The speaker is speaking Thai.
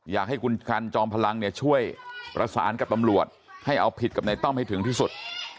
อยากให้คุณกันจอมพลังเนี่ยช่วยประสานกับตำรวจให้เอาผิดกับในต้อมให้ถึงที่สุด